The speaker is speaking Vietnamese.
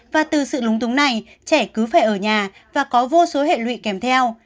và từ sự lúng túng này trẻ cứ phải ở nhà và có vô số hệ lụy kèm theo